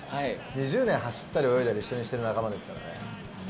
２０年、走ったり泳いだり一緒にしてる仲間ですからね。